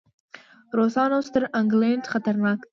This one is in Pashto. روسان اوس تر انګلینډ خطرناک دي.